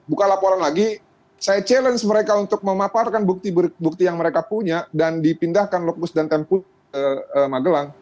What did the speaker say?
buka laporan lagi saya challenge mereka untuk memaparkan bukti bukti yang mereka punya dan dipindahkan lokus dan tempuh ke magelang